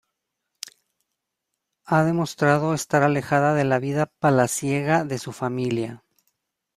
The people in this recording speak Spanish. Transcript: Ha demostrado estar alejada de la vida palaciega de su familia.